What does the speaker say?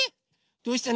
どうしたの？